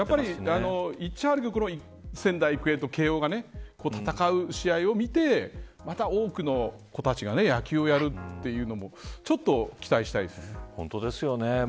だから仙台育英と慶応が戦う試合を見てまた多くの子たちが野球をやるというのも本当ですよね。